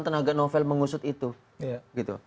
tenaga novel mengusut itu